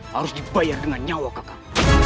harus dibayar dengan nyawa kakak